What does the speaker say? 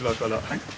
はい。